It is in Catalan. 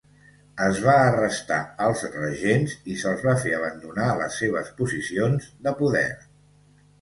Es va arrestar als regents i se'ls va fer abandonar les seves posicions de poder.